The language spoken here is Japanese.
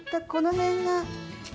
この辺が。